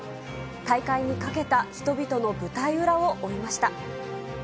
大会にかけた人々の舞台裏を追いました。